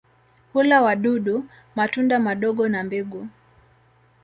Hula wadudu, matunda madogo na mbegu.